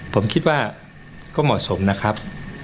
ผมคิดว่าก็เหมาะสมนะครับ